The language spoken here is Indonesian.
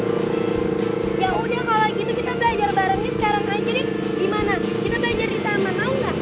yaudah kalo gitu kita belajar barengnya sekarang aja nih gimana kita belajar di taman mau gak